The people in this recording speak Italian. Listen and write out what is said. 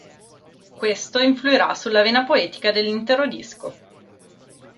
Questo influirà sulla vena poetica dell'intero disco.